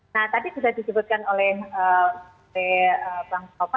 nah tadi sudah disebutkan oleh pak b